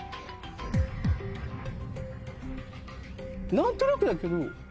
何となくだけど。